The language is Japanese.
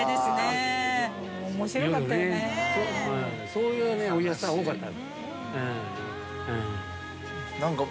そういうお客さん多かった。